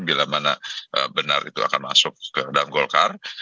bila mana benar itu akan masuk ke dalam golkar